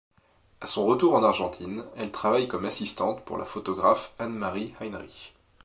À son retour en Argentine, elle travaille comme assistante pour la photographe Annemarie Heinrich.